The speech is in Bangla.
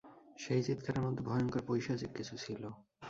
সেই চিৎকারের মধ্যে ভয়ংকর পৈশাচিক কিছু ছিল।